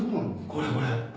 これこれ。